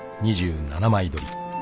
［２７枚撮り。